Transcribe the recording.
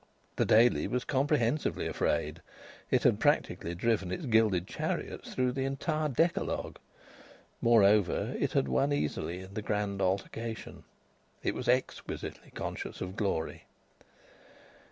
The Daily was comprehensively afraid. It had practically driven its gilded chariots through the entire Decalogue. Moreover, it had won easily in the grand altercation. It was exquisitely conscious of glory.